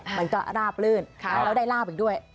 มันก็ราบลื่นแล้วได้ลาบอีกด้วย